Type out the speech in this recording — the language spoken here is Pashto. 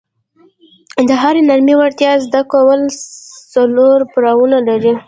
د هرې نرمې وړتیا زده کول څلور پړاونه لري.